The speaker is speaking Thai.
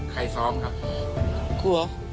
ใครชอบครับ